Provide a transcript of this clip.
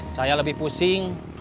saya lebih pusing